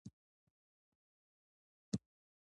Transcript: ویټامینونه بدن ته څه ګټه لري؟